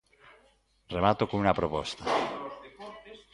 Remato cunha proposta.